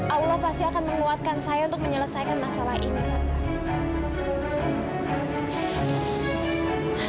allah pasti akan menguatkan saya untuk menyelesaikan masalah ini